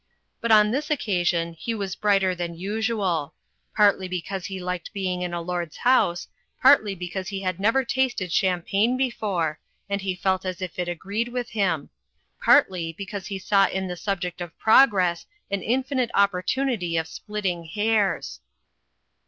But on this occasion he was brighter than usual; partly because he liked being in a lord's house; partly because he had never tasted champagne before, and he felt as if it agreed with him ; partly because he saw in the subject of Progress an infinite opportimity of splitting hairs.